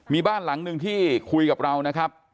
มีบ้านหลังหนึ่งที่คุยกับเรานะครับ